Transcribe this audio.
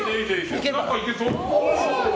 いけそう。